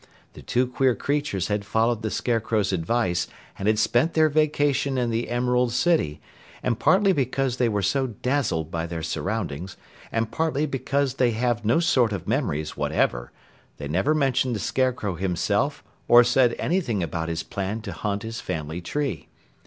The two queer creatures had followed the Scarecrow's advice and had spent their vacation in the Emerald City, and partly because they were so dazzled by their surroundings and partly because they have no sort of memories whatever, they never mentioned the Scarecrow himself or said anything about his plan to hunt his family tree.